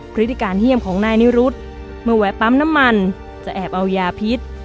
พฤติการเยี่ยมของนายนิรุธเมื่อแวะปั๊มน้ำมันจะแอบเอายาพิษ